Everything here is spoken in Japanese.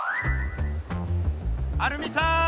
アルミさん！